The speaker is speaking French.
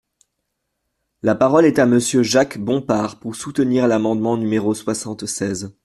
La parole est à Monsieur Jacques Bompard, pour soutenir l’amendement numéro soixante-seize.